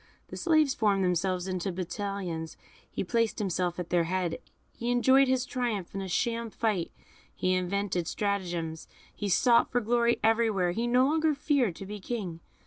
The slaves formed themselves into battalions, he placed himself at their head, he enjoyed his triumph in a sham fight, he invented stratagems, he sought for glory everywhere; he no longer feared to be a king.